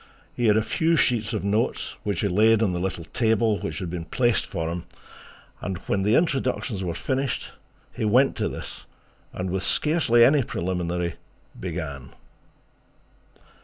He had a few sheets of notes, which he laid on the little table which had been placed for him, and when the introductions were finished he went to this and with scarcely any preliminary began.